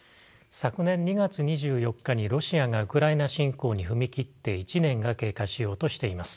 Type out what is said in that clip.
昨年２月２４日にロシアがウクライナ侵攻に踏み切って１年が経過しようとしています。